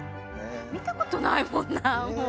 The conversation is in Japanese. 見たことないもんなもう。